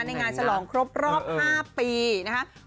ในงานฉลองครบรอบ๕ปีนะครับ